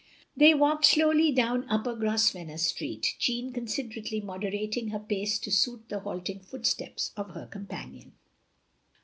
" They walked slowly down Upper Grosvenor Street, Jeanne considerately moderating her pace to suit the halting footsteps of her companion.